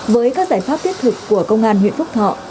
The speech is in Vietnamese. với các giải pháp thiết thực của công an huyện phúc thọ